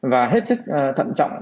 và hết sức thận trọng